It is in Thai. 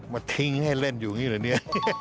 มาทิ้งให้เล่นอยู่อยู่นี่หรือนี่